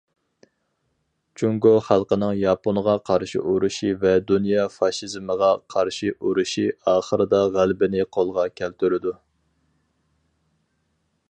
جۇڭگو خەلقىنىڭ ياپونغا قارشى ئۇرۇشى ۋە دۇنيا فاشىزمىغا قارشى ئۇرۇشى ئاخىرىدا غەلىبىنى قولغا كەلتۈرىدۇ.